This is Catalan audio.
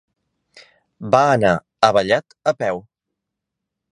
Va anar a Vallat a peu.